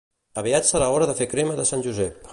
Aviat serà hora de fer crema de Sant Josep